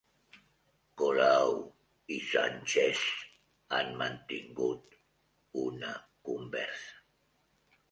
Colau i Sánchez han mantingut una conversa